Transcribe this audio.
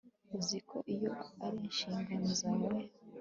uzi ko iyo ari inshingano zawe